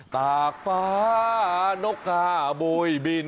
ตากฟ้านกกาโบยบิน